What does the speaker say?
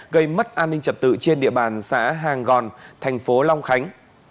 gây mất an ninh trật tự trên địa bàn xã hàng gòn thành phố long khánh